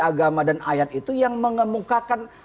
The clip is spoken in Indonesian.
agama dan ayat itu yang mengemukakan